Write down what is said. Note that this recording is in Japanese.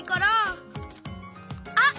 あっ！